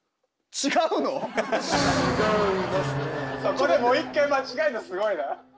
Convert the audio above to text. そこでもう１回間違えるのすごいな。